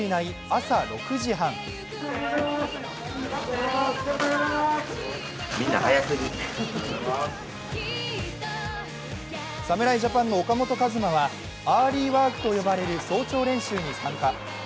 朝６時半侍ジャパンの岡本和真はアーリーワークと呼ばれる早朝練習に参加。